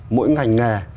mỗi ngành nghề